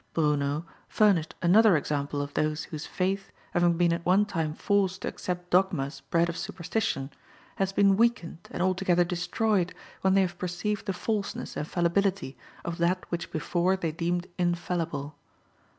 Bruno furnished another example of those whose faith, having been at one time forced to accept dogmas bred of superstition, has been weakened and altogether destroyed when they have perceived the falseness and fallibility of that which before they deemed infallible.